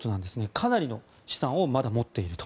かなりの資産をまだ持っていると。